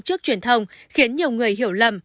trước truyền thông khiến nhiều người hiểu lầm